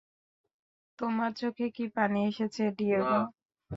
তোমার চোখে কি পানি এসেছে, ডিয়েগো?